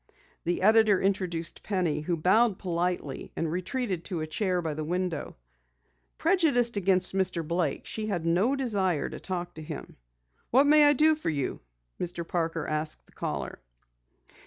The editor introduced Penny, who bowed politely and retreated to a chair by the window. Prejudiced against Mr. Blake, she had no desire to talk to him. "What may I do for you?" Mr. Parker asked the caller.